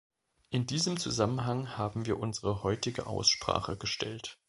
In diesem Zusammenhang haben wir unsere heutige Aussprache gestellt.